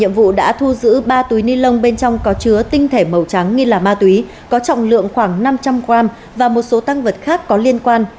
nhiệm vụ đã thu giữ ba túi ni lông bên trong có chứa tinh thể màu trắng nghi là ma túy có trọng lượng khoảng năm trăm linh g và một số tăng vật khác có liên quan